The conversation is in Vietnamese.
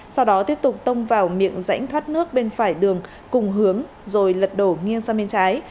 sau đó tiếp tục tông vào miệng rãnh thoát nước bên phải đường cùng hướng rồi lật đổ nghiêng sang bên trái